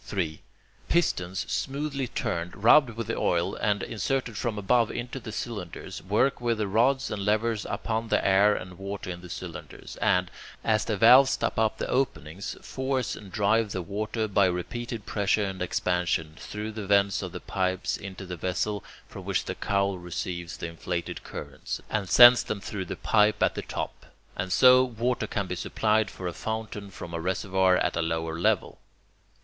3. Pistons smoothly turned, rubbed with oil, and inserted from above into the cylinders, work with their rods and levers upon the air and water in the cylinders, and, as the valves stop up the openings, force and drive the water, by repeated pressure and expansion, through the vents of the pipes into the vessel, from which the cowl receives the inflated currents, and sends them up through the pipe at the top; and so water can be supplied for a fountain from a reservoir at a lower level.